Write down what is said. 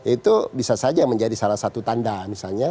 itu bisa saja menjadi salah satu tanda misalnya